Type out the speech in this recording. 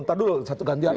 nanti dulu satu gantian